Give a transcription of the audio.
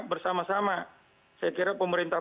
bersama sama saya kira pemerintah